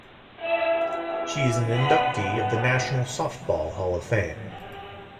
She is an inductee of the National Softball Hall of Fame.